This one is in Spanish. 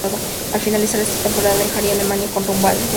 Al finalizar esta temporada dejaría Alemania con rumbo al balonmano suizo.